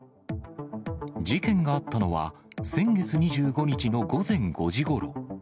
事件があったのは、先月２５日の午前５時ごろ。